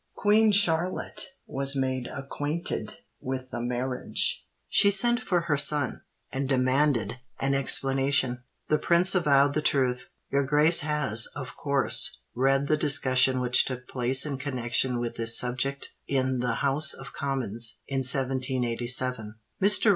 Queen Charlotte was made acquainted with the marriage: she sent for her son, and demanded an explanation. The prince avowed the truth. Your grace has, of course, read the discussion which took place in connexion with this subject, in the House of Commons, in 1787. Mr.